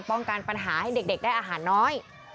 ป้องกันปัญหาให้เด็กได้อาหารน้อย